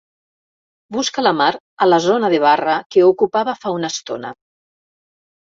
Busca la Mar a la zona de barra que ocupava fa una estona.